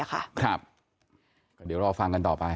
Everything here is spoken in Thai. ครับเดี๋ยวเราฟังกันต่อไป